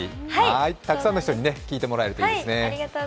たくさんの人に聴いてもらえるといいですね。